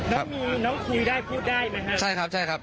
อ๋อครับแล้วมีน้องคุยได้พูดได้ไหมครับใช่ครับใช่ครับ